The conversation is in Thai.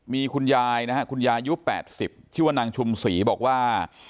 มีคุณยายนะฮะคุณยายุค๘๐ชื่อว่านางชุมศรีบอกว่า